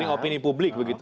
menggiring opini publik begitu